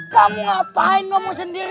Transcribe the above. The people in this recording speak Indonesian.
kamu ngapain paman sendirian